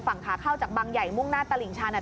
ฝั่งขาเข้าจากบางใหญ่มุ่งหน้าตลิ่งชัน